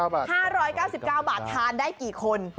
๕๙๙บาท๕๙๙บาททานได้กี่คน